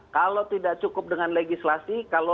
kalau tidak cukup dengan legislasi